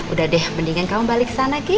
udah deh mendingan kamu balik kesana ki